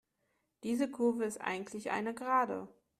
Diese Kurve ist eigentlich eine Gerade.